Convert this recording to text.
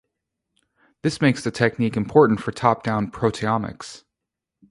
This makes the technique important for top-down proteomics.